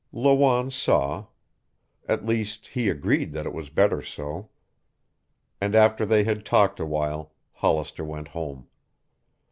Lawanne saw; at least, he agreed that it was better so. And after they had talked awhile, Hollister went home.